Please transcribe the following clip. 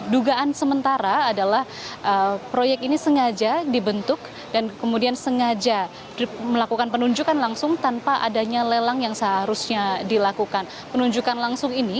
dugaan sementara adalah proyek ini sengaja dibentuk dan kemudian sengaja melakukan penunjukan langsung tanpa adanya lelang yang seharusnya dilakukan